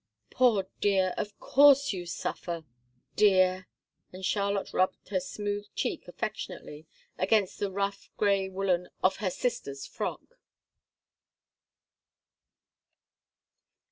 Poor dear! Of course you suffer!" "Dear!" And Charlotte rubbed her smooth cheek affectionately against the rough grey woollen of her sister's frock.